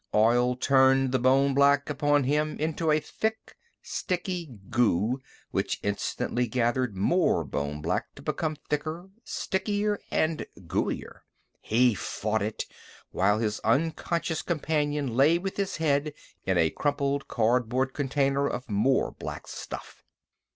Oil turned the bone black upon him into a thick, sticky goo which instantly gathered more bone black to become thicker, stickier, and gooier. He fought it, while his unconscious companion lay with his head in a crumpled cardboard container of more black stuff.